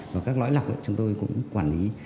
và các lõi lọc chúng tôi cũng quản lý